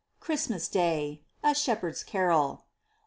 CHRISTMAS DAY. shepherds' carol.